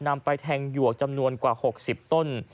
นำไปแทงหยวกจำนวนกว่า๖๐ต้น